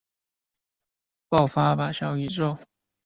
他的很多作品有着紧凑的节奏和粗犷的旋律。